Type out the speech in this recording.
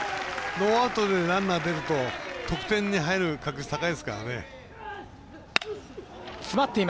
ノーアウトでランナー出ると得点が入る確率高いですからね。